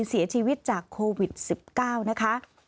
เสียชีวิตจากโควิด๑๙นะคะ